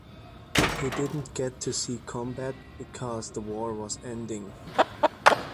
He didn't get to see combat because the war was ending.